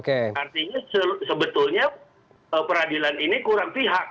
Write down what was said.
artinya sebetulnya peradilan ini kurang pihak